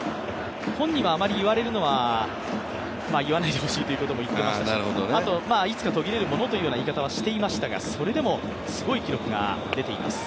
本人はあまり言われるのは言わないほしいということも言っていましたし、いつか途切れるのもという言い方をしていましたがそれでもすごい記録が出ています。